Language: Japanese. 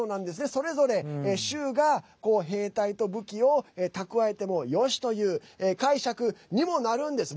それぞれ州が兵隊と武器を蓄えてもよしという解釈にもなるんです。